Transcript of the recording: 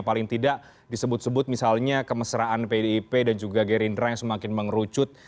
paling tidak disebut sebut misalnya kemesraan pdip dan juga gerindra yang semakin mengerucut